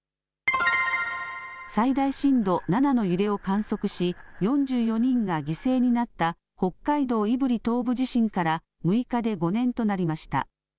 最大震度７の揺れを観測し、４４人が犠牲になった北海道胆振東部地震から６日で５年となりました。